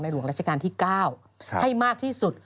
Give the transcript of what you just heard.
หลวงราชการที่๙ให้มากที่สุด